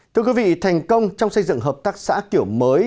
thưa quý vị thành công trong xây dựng hợp tác xã kiểu mới